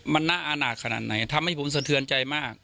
มันน่าอาณาขนาดไหนทำให้ผมสะเทือนใจมาก